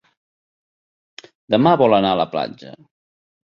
Demà vol anar a la platja.